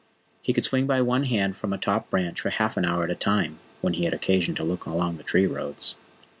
He could swing by one hand from a top branch for half an hour at a time, when he had occasion to look along the tree roads.